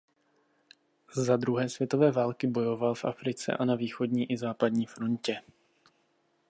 Za druhé světové války bojoval v Africe a na východní i západní frontě.